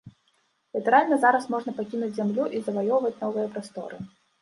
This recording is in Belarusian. Літаральна зараз можна пакінуць зямлю і заваёўваць новыя прасторы.